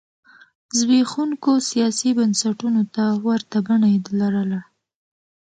زبېښونکو سیاسي بنسټونو ته ورته بڼه یې لرله.